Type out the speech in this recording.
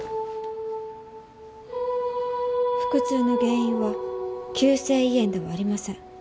腹痛の原因は急性胃炎ではありません。